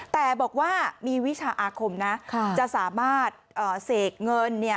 แต่บอกว่ามีวิชาอาคมนะจะสามารถเสกเงิน